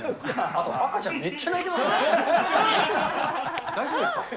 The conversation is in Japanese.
あと、赤ちゃん、めっちゃ泣いてますよね。